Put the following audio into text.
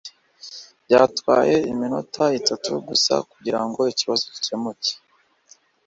Byatwaye iminota itatu gusa kugirango ikibazo gikemuke